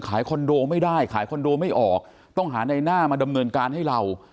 คอนโดไม่ได้ขายคอนโดไม่ออกต้องหาในหน้ามาดำเนินการให้เรา